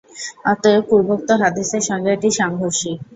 অতএব, পূর্বোক্ত হাদীসের সঙ্গে এটি সাংঘর্ষিক।